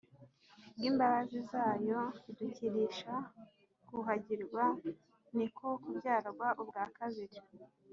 ku bw'imbabazi zayo, idukirisha kuhagirwa, ni ko kubyarwa ubwa kabiri,